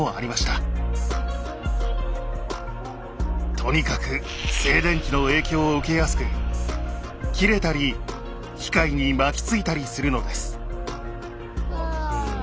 とにかく静電気の影響を受けやすく切れたり機械に巻きついたりするのです。